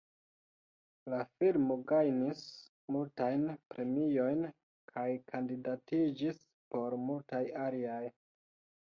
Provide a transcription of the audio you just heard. La filmo gajnis multajn premiojn, kaj kandidatiĝis por multaj aliaj.